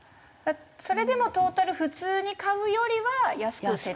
それでもトータル普通に買うよりは安く設定してる？